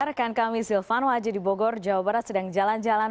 rekan kami silvano haji di bogor jawa barat sedang jalan jalan